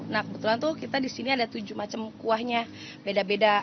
nah kebetulan tuh kita di sini ada tujuh macam kuahnya beda beda